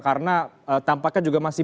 karena tampaknya juga masih belum jelas informasi